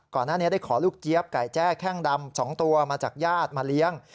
ก่อนหน้านี้ได้ขอลูกเจี๊ยบไก่แจ้แข้งดำ๒ตัวมาจากญาติมาเลี้ยง